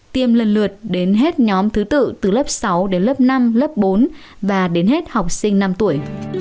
tiêm lần lượt đến hết nhóm thứ tự từ lớp sáu đến lớp năm lớp bốn và đến hết học sinh năm tuổi